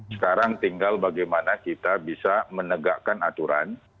sekarang tinggal bagaimana kita bisa menegakkan aturan